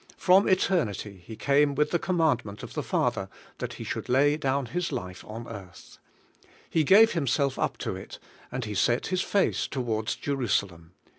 From eternity He came with the commandment of the Father that He should lay down His life on earth. He gave Himself up to it, and He set His face towards Jerusalem.